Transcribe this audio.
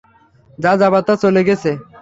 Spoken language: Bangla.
যা যাবার তা চলে গেছে।